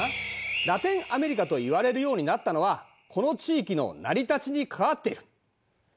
ラテンアメリカといわれるようになったのはこの地域の成り立ちに関わっている。